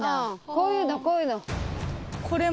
こういうのこういうの。